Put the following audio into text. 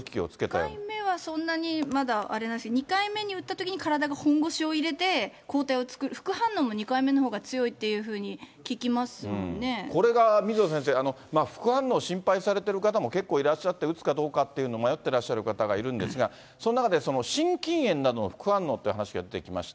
１回目はそんなにまだあれなんですね、２回目に打ったときに、体が本腰を入れて、抗体を作る、副反応も２回目のほうが強いってこれが水野先生、副反応心配されている方も結構いらっしゃって、打つかどうかっていうの迷ってらっしゃる方いるんですが、その中で心筋炎などの副反応っていう話が出てきました。